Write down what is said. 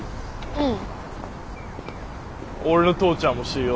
うん。